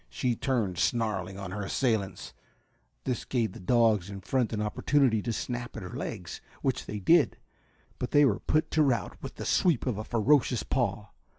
She turned, snarling, on her assailants. This gave the dogs in front an opportunity to snap at her legs, which they did, but were put to rout with the sweep of a ferocious paw.